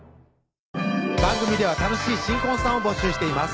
番組では楽しい新婚さんを募集しています